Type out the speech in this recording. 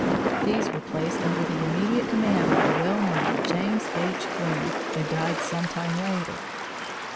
These were placed under the immediate command of the well known James H. Quinn, who died some time later.